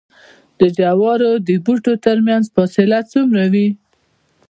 د جوارو د بوټو ترمنځ فاصله څومره وي؟